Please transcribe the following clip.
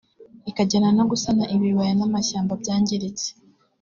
ikajyana no gusana ibibaya n’amashyamba byangiritse